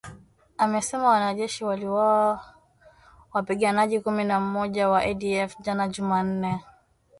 Amesema wanajeshi waliwaua wapiganaji kumi na mmoja wa ADF jana Jumanne